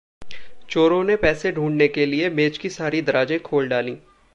चोरों ने पैसे ढूँढने के लिए मेज़ की सारी दराज़ें खोल डालीं।